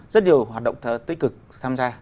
rất nhiều hoạt động tích cực tham gia